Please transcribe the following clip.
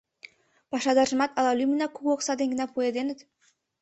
Пашадаржымат ала лӱмынак кугу окса дене гына пуэденыт?